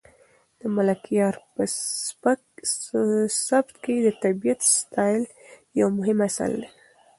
د ملکیار په سبک کې د طبیعت ستایل یو مهم اصل دی.